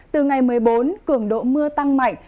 từ ngày một mươi bốn cường độ mưa tăng mạnh